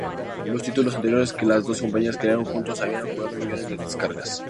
Los títulos anteriores que las dos compañías crearon juntos habían acumulado millones de descargas.